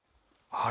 あれ？